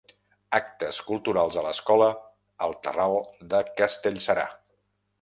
Actes culturals a l'escola El Terral de Castellserà.